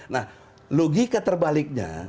nah logika terbaliknya